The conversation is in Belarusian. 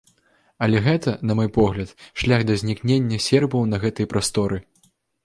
Але гэта, на мой погляд, шлях да знікнення сербаў на гэтай прасторы.